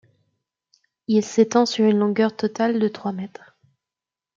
Il s'étend sur une longueur totale de trois mètres.